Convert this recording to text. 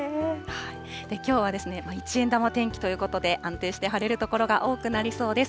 きょうは一円玉天気ということで、安定して晴れる所が多くなりそうです。